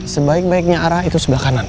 sebaik baiknya arah itu sebelah kanan